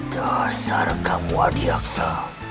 dasar kamu adi aksa